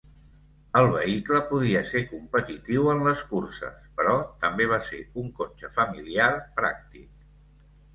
El vehicle podia ser competitiu en les curses, però també va ser un cotxe familiar pràctic.